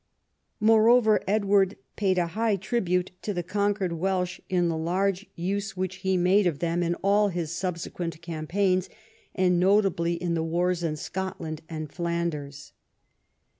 Moreover, Edward paid a high tribute to the conquered Welsh in the large use which he made of them in all his subsequent campaigns, and notably in the wars in Scotland and Flanders.